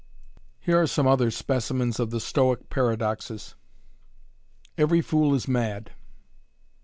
Here are some other specimens of the Stoic paradoxes. "Every fool is mad".